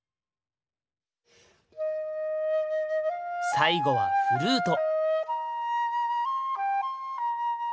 最後はフルート。